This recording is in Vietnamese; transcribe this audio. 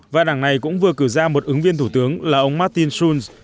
và đảng này cũng vừa cử ra một ứng viên thủ tướng là ông martin sul